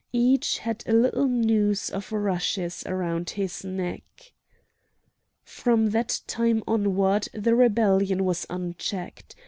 Each had a little noose of rushes round his neck. From that time onward the rebellion was unchecked.